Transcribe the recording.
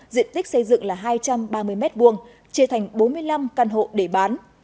diện tích xây dựng là hai trăm ba mươi m hai chia thành bốn mươi năm căn hộ để bán